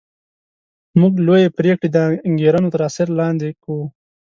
موږ لویې پرېکړې د انګېرنو تر اثر لاندې کوو